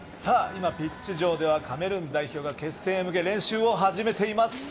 今、ピッチ上ではカメルーン代表が決戦に向け練習を始めています。